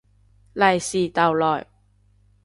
利是逗來